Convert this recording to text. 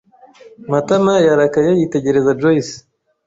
Matama yarakaye yitegereza Joyci.